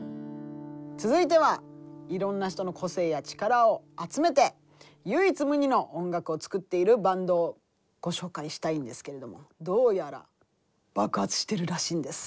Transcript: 続いてはいろんな人の個性や力を集めて唯一無二の音楽を作っているバンドをご紹介したいんですけれどもどうやら爆発してるらしいんです。